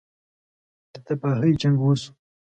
ده تباهۍ جـنګ وشو.